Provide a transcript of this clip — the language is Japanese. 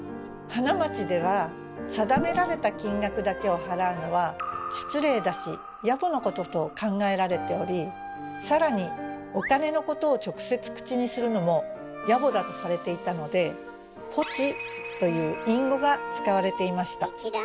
花街では定められた金額だけを払うのは失礼だし野暮なことと考えられており更にお金のことを直接口にするのも野暮だとされていたので「ぽち」という隠語が使われていました。